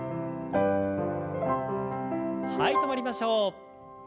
はい止まりましょう。